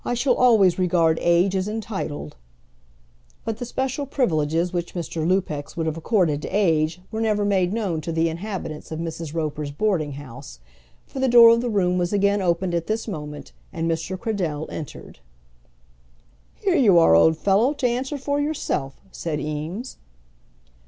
"I shall always regard age as entitled " But the special privileges which Mr. Lupex would have accorded to age were never made known to the inhabitants of Mrs. Roper's boarding house, for the door of the room was again opened at this moment, and Mr. Cradell entered. "Here you are, old fellow, to answer for yourself," said Eames.